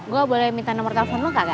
gua boleh minta nomor telepon lu gak sih